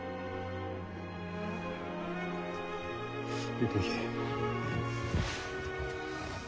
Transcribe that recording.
出ていけ。